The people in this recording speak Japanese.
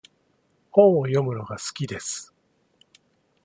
本を読むのが好きです。